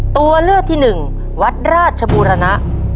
ตัวเลือกที่หนึ่งวัดราชบูรณะ